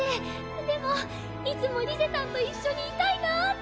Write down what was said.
でもいつもリゼたんと一緒にいたいなって。